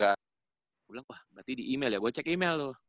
gua bilang wah berarti di email ya gua cek email tuh